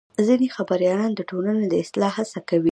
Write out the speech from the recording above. ځینې خبریالان د ټولنې د اصلاح هڅه کوي.